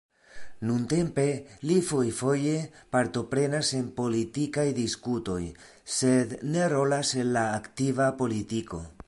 Nuntempe li fojfoje partoprenas en politikaj diskutoj, sed ne rolas en la aktiva politiko.